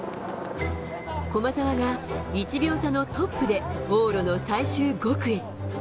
駒澤が、１秒差のトップで往路の最終５区へ。